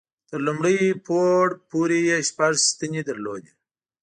تر لومړي پوړ پورې یې شپږ ستنې درلودې.